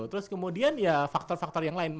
terus kemudian ya faktor faktor yang lain